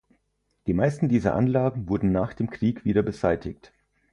Die meisten dieser Anlagen wurden nach dem Krieg wieder beseitigt.